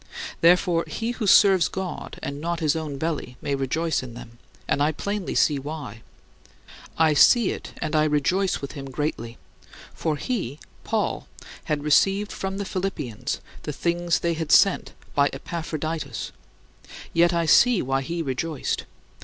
Therefore, he who serves God and not his own belly may rejoice in them, and I plainly see why. I see it, and I rejoice with him greatly. For he [Paul] had received from the Philippians the things they had sent by Epaphroditus; yet I see why he rejoiced.